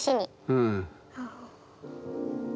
うん。